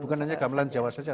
bukan hanya gamelan jawa saja